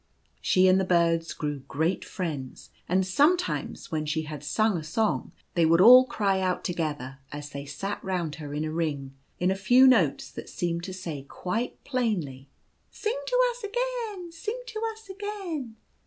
She and the birds grew great friends, and some times when she had sung a song they would all cry out \ 2aycCs friends. 49 together, as they sat round her in a ring, in a few notes that seemed to say quite plainly : "Sing to us again. Sing to us again."